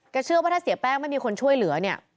เชื่อว่าถ้าเสียแป้งไม่มีคนช่วยเหลือเนี่ย